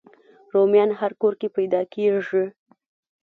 رومیان هر کور کې پیدا کېږي